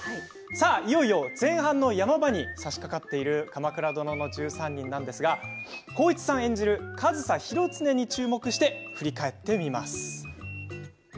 いよいよ前半の山場に差し掛かっている「鎌倉殿の１３人」なんですが浩市さん演じる上総広常に注目して振り返ってみます。